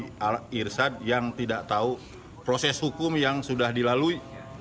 kepala sekolah irshad yang tidak tahu proses hukum yang sudah dilalui